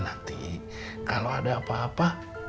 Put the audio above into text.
nanti kalau ada apa apa